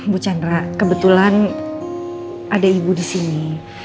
bu sarah kebetulan ada ibu di sini